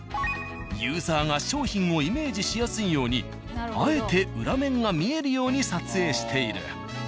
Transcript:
ユーザーが商品をイメージしやすいようにあえて裏面が見えるように撮影している。